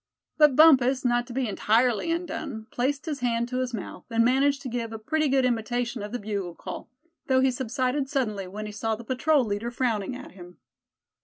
But Bumpus, not to be entirely undone, placed his hand to his mouth, and managed to give a pretty good imitation of the bugle call; though he subsided suddenly when he saw the patrol leader frowning at him.